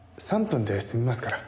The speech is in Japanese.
３分で済みますから。